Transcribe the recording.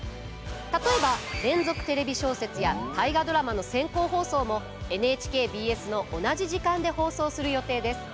例えば「連続テレビ小説」や「大河ドラマ」の先行放送もＮＨＫＢＳの同じ時間で放送する予定です。